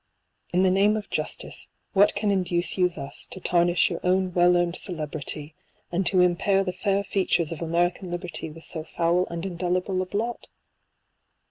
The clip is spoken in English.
In the name of justice, what can induce you thus to tarnish your own well earned celebrity, and to impair 180 the fair features of American liberty with so foul and indelible a blot